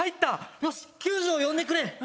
よし救助を呼んでくれ。